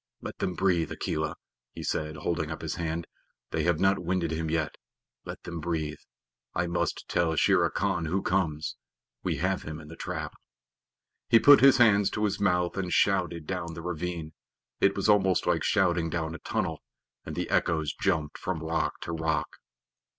"Let them breathe, Akela," he said, holding up his hand. "They have not winded him yet. Let them breathe. I must tell Shere Khan who comes. We have him in the trap." He put his hands to his mouth and shouted down the ravine it was almost like shouting down a tunnel and the echoes jumped from rock to rock.